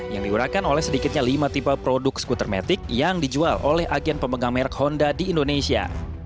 yang diurahkan oleh sedikitnya lima tipe produk skuter metik yang dijual oleh agen pemegang merek honda di indonesia